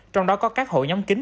trong đó có các hội nhóm kính